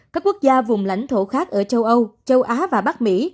các quốc gia vùng lãnh thổ khác ở châu âu châu á và bắc mỹ